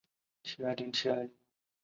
更衣是一个职官的名衔。